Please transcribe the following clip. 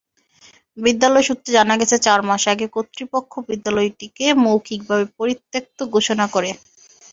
বিদ্যালয় সূত্রে জানা গেছে, চার মাস আগে কর্তৃপক্ষ বিদ্যালয়টিকে মৌখিকভাবে পরিত্যক্ত ঘোষণা করে।